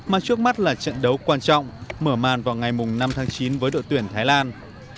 mà trước mắt là trận đấu quan trọng mở màn vào ngày năm tháng chín với đội tuyển thái lan